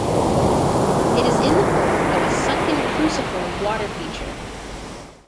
It is in the form of a sunken cruciform water-feature.